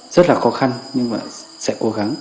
rất là khó khăn nhưng mà sẽ cố gắng